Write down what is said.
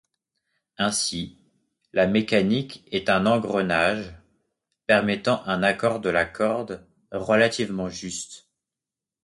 Ainsi, la mécanique est un engrenage, permettant un accord de la corde relativement juste.